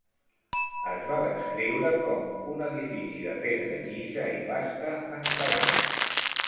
Es va descriure com "un edifici de pedra llisa i basta encalat".